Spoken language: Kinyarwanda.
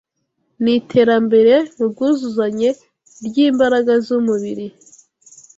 Ni iterambere mu bwuzuzanye ry’imbaraga z’umubiri